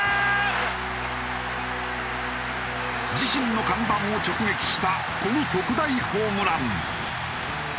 自身の看板を直撃したこの特大ホームラン。